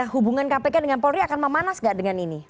hubungan kpk dengan polri akan memanas nggak dengan ini